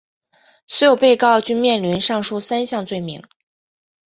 所有被告均面临上述三项罪名。